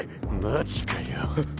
マジかよ。